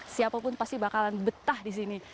siapapun pasti bakalan betah di sini